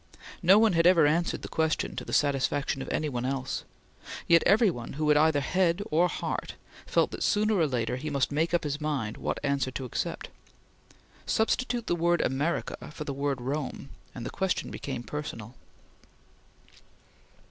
No one ever had answered the question to the satisfaction of any one else; yet every one who had either head or heart, felt that sooner or later he must make up his mind what answer to accept. Substitute the word America for the word Rome, and the question became personal.